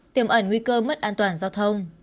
tiềm ẩn nguy cơ mất an toàn giao thông